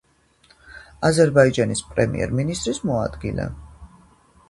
აზერბაიჯანის პრემიერ-მინისტრის მოადგილე.